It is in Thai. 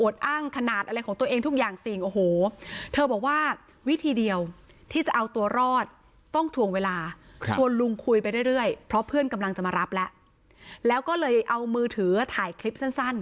อดอ้างขนาดอะไรของตัวเองทุกอย่างสิ่งโอ้โหเธอบอกว่าวิธีเดียวที่จะเอาตัวรอด